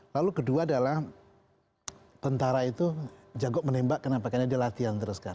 lalu kedua adalah tentara itu jagok menembak kenapa karena dia latihan terus kan